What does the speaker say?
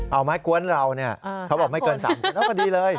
เอาไม้กวนเราเนี่ยเขาบอกไม่เกิน๓กวนแล้วพอดีเลย